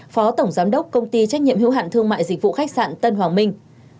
phó tổng giám đốc công ty trách nhiệm hữu hạn thương mại dịch vụ khách sạn tân hoàng minh